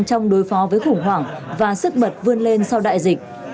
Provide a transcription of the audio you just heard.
trong đối phó với khủng hoảng và sức bật vươn lên sau đại dịch